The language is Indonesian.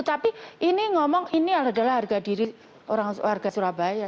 tapi ini ngomong ini adalah harga diri warga surabaya